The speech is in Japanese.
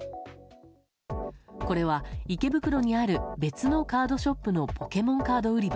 これは、池袋にある別のカードショップのポケモンカード売り場。